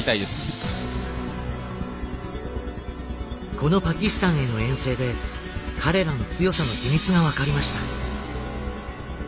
このパキスタンへの遠征で彼らの強さの秘密が分かりました。